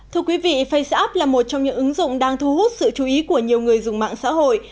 thưa quý vị faceapp là một trong những ứng dụng đang thu hút sự chú ý của nhiều người dùng mạng xã hội